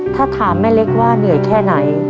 ถ้าถามแม่เล็กว่าเหนื่อยแค่ไหน